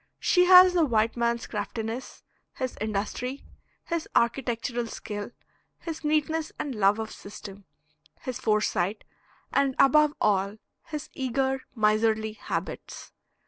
She has the white man's craftiness, his industry, his architectural skill, his neatness and love of system, his foresight; and above all his eager, miserly habits.